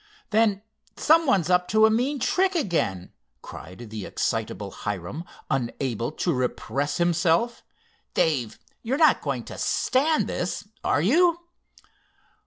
"Then some one's up to a mean trick again!" cried the excitable Hiram, unable to repress himself. "Dave, you're not going to stand this; are you?"